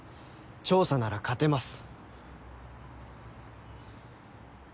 調査なら勝てます。